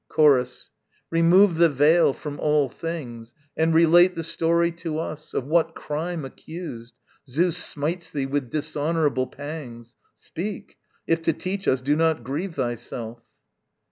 Chorus. Remove the veil from all things and relate The story to us, of what crime accused, Zeus smites thee with dishonourable pangs. Speak: if to teach us do not grieve thyself.